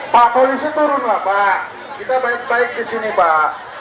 pak polisi turunlah pak kita baik baik disini pak